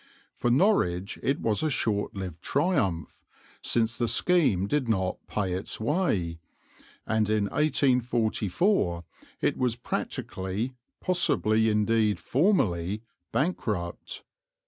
For Norwich it was a short lived triumph, since the scheme did not pay its way, and in 1844 it was practically, possibly indeed formally, bankrupt.